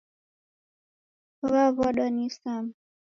W'aw'adwa ni isama.